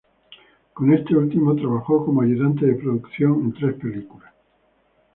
Con este último trabajó como ayudante de producción en tres películas.